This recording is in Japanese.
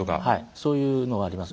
そういうのはあります。